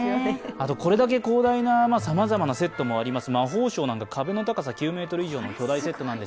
あとこれだけ広大なさまざまなセットもあります。